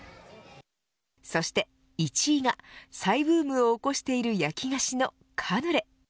そして１位が再ブームを起こしている焼菓子のカヌレ。